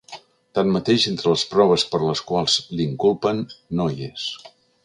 Tanmateix, entre les proves per les quals l’inculpen no hi és.